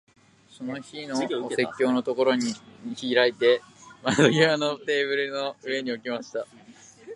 その日のお説教のところを開いて、窓際のテーブルの上に置きました。